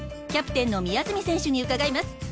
キャプテンの宮澄選手に伺います。